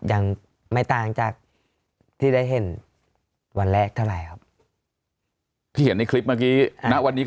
ยังไม่ต่างจากที่ได้เห็นวันแรกเท่าไหร่ครับที่เห็นในคลิปเมื่อกี้ณวันนี้